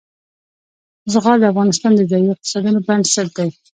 زغال د افغانستان د ځایي اقتصادونو بنسټ دی.